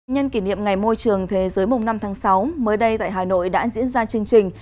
nhân kỷ niệm ngày môi trường thế giới mùng năm tháng sáu mới đây tại hà nội đã diễn ra chương trình